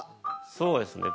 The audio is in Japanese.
そうですね。